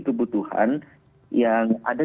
kebutuhan yang ada